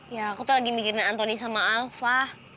ya aku tuh lagi mikirin antoni sama alpha